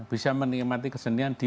bisa menikmati kesenian di